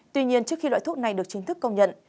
tuy nhiên trước khi loại thuốc này được chính thức công nhận